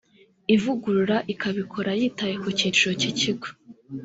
ivugurura ikabikora yitaye ku cyiciro cy ikigo